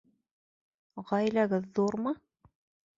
Ғаиләгеҙ ҙурмы?